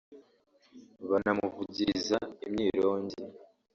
banamuvugiriza imyirongi